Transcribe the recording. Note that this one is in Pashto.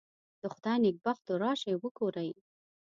د خدای نېکبختو راشئ وګورئ.